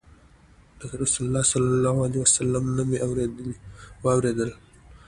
له رسول الله صلى الله عليه وسلم نه مي واورېدل